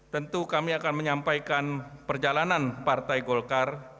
tentu kami akan menyampaikan perjalanan partai golkar